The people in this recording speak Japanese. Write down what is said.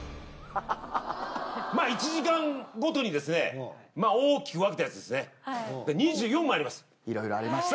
まあ１時間ごとにですね大きく分けたやつですね２４枚あります